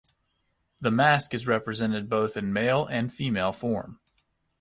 The mask is represented both in male and female form.